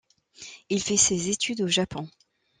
Il fait ses études au Japon.